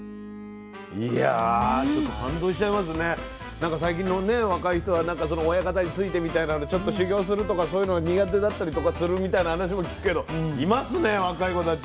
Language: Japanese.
なんか最近のね若い人は親方についてみたいなのちょっと修業するとかそういうのが苦手だったりとかするみたいな話も聞くけどいますね若い子たち。